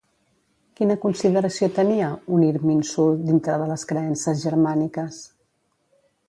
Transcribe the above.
Quina consideració tenia un Irminsul dintre de les creences germàniques?